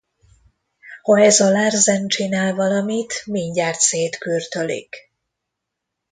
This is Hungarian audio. Ha ez a Larsen csinál valamit, mindjárt szétkürtölik.